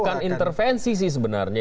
bukan intervensi sih sebenarnya